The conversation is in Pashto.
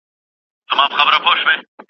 ایا تاریخ د خلګو غولولو لپاره لیکل سوی؟